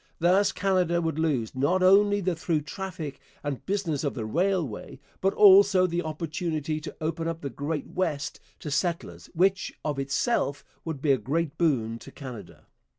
Thus Canada would lose, not only the through traffic and business of the railway, but also the opportunity to open up the Great West to settlers, 'which of itself would be a great boon to Canada.'